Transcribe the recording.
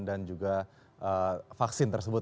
dan juga vaksin tersebut